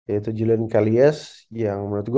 yaitu julien callies yang menurut gue